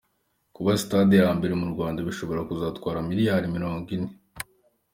Kubaka sitade ya mbere mu Rwanda bishobora kuzatwara miliyari mirongo ine